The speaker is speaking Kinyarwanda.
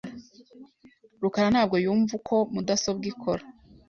rukara ntabwo yumva uko mudasobwa ikora .